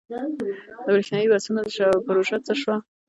د بریښنايي بسونو پروژه څه شوه؟